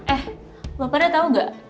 eh lo pada tau gak